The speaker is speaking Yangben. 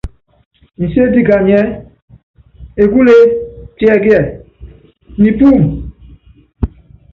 Nséti kanyiɛ́: Ekúlee tiɛkiɛ, Nipúumu ?